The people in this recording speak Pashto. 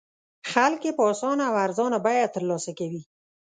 خلک یې په اسانه او ارزانه بیه تر لاسه کوي.